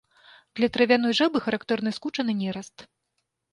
Для травяной жабы характэрны скучаны нераст.